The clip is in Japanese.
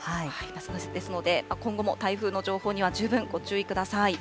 ですので、今後も台風の情報には十分ご注意ください。